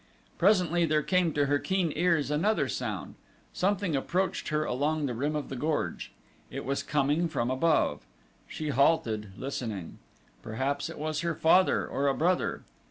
Presently there came to her keen ears another sound. Something approached her along the rim of the gorge. It was coming from above. She halted, listening. Perhaps it was her father, or a brother.